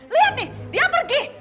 lihat nih dia pergi